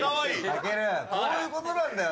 こういうことなんだよ。